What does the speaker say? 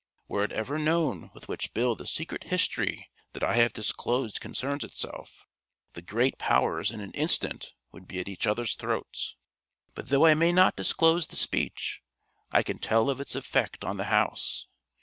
Were it ever known with which Bill the secret history that I have disclosed concerns itself, the Great Powers in an instant would be at each other's throats. But though I may not disclose the speech I can tell of its effect on the House.